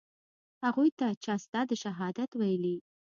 هغوى ته چا ستا د شهادت ويلي.